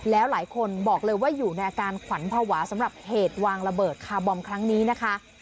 แล้วหลายคนบอกเลยว่าอยู่ในอาการขวัญภาวะสำหรับเหตุวางระเบิดคาร์บอมครั้งนี้นะคะ